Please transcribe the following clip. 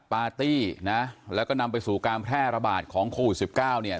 ปาร์ตี้นะแล้วก็นำไปสู่การแพร่ระบาดของโควิดสิบเก้าเนี่ย